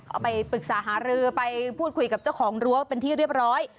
เอาไปปรึกษาหารือไปพูดคุยกับเจ้าของรั้วเป็นที่เรียบร้อย